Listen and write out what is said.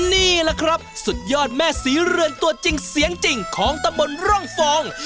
นี่แหละครับสุดยอดแม่ศรีเรือนตัวจริงเสียงจริงของตำบลร่องฟอง